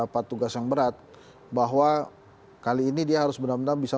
dapat tugas yang berat bahwa kali ini dia harus benar benar bisa